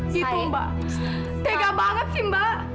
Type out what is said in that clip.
gitu mbak tega banget sih mbak